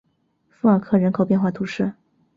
富尔克人口变化图示